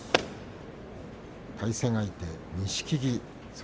対戦相手の錦木。